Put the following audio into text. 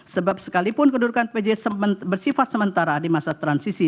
sebab sekalipun kedudukan pj bersifat sementara di masa transisi